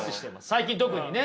最近特にね。